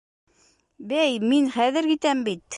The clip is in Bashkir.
— Бәй, мин хәҙер китәм бит.